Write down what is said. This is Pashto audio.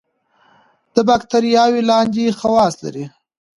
دا باکتریاوې لاندې خواص لري.